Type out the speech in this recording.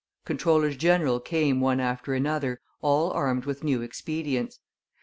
Comptrollers general came one after another, all armed with new expedients; MM.